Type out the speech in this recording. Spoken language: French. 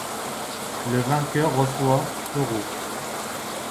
Le vainqueur reçoit euros.